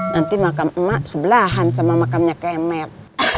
nanti makam mak sebelahan sama makamnya kemet